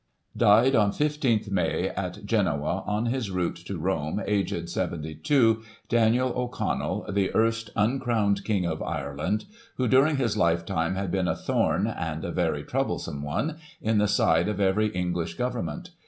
Died on 15th May, at Genoa, on his route to Rome, aged 72, Daniel O'Connell, the erst " uncrowned King of Ireland,'* who, during his lifetime, had been a thorn (and a very trouble some one) in the side of every English government.